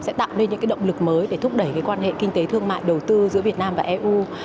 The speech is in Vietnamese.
sẽ tạo nên những động lực mới để thúc đẩy quan hệ kinh tế thương mại đầu tư giữa việt nam và eu